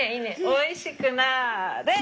おいしくなれ！